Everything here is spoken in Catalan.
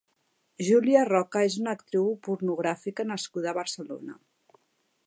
Julia Roca és una actriu pornogràfica nascuda a Barcelona.